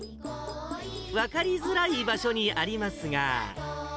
分かりづらい場所にありますが。